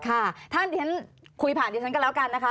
ค่ะท่านเดี๋ยวฉันคุยผ่านดิฉันก็แล้วกันนะคะ